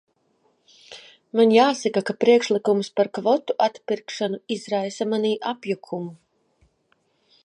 Man jāsaka, ka priekšlikums par kvotu atpirkšanu izraisa manī apjukumu.